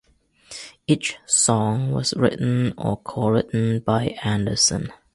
Each song was written or co-written by Anderson.